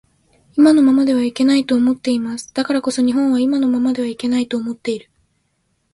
今のままではいけないと思っています。だからこそ日本は今のままではいけないと思っている